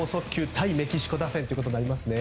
対メキシコ打線ということになりますね。